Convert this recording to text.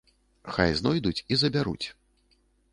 Хай знойдуць і забяруць.